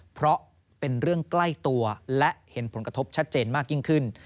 เพราะเป็นเรื่องใกล้ตัวและเห็นผลกระทบชัดเจนมากยิ่งขึ้น